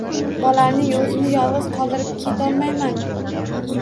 Bolamning o`zini yolg`iz qoldirib ketolmayman-ku